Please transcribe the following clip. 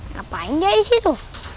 ngapain dia disitu